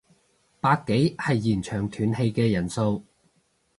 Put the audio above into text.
百幾係現場斷氣嘅人數